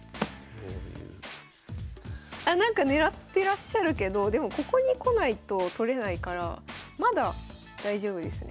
あなんか狙ってらっしゃるけどでもここに来ないと取れないからまだ大丈夫です。